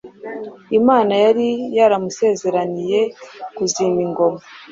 Imana yari yaramusezeraniye kuzima ingoma,